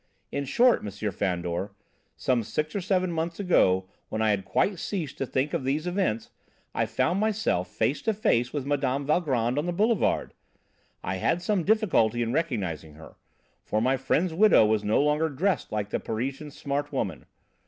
In short, M. Fandor, some six or seven months ago, when I had quite ceased to think of these events, I found myself face to face with Mme. Valgrand on the Boulevard. I had some difficulty in recognising her, for my friend's widow was no longer dressed like the Parisian smart woman.